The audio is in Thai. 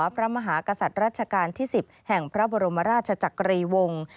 พระมหากษัตริย์รัชกาลที่๑๐แห่งพระบรมราชจักรีวงศ์